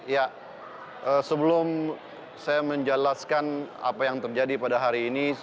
ya sebelum saya menjelaskan apa yang terjadi pada hari ini